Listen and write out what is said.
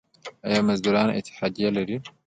آیا مزدوران اتحادیه لري؟